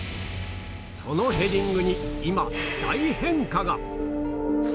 そのヘディングに今、大変化が！